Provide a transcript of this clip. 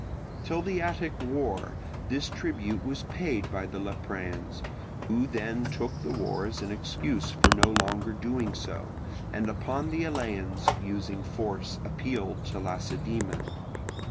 Till the Attic war this tribute was paid by the Lepreans, who then took the war as an excuse for no longer doing so, and upon the Eleans using force appealed to Lacedaemon.